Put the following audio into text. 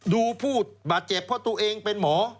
ผู้บาดเจ็บเพราะตัวเองเป็นหมอ